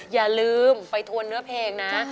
อย่าลืมไปทวนเนื้อเพลงนะ